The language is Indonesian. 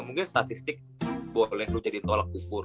mungkin statistik boleh jadi tolak ukur